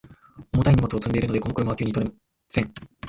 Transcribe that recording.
重たい荷物を積んでいるので、この車は急に止まれません。